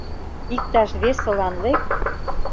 Иктаж весылан лек.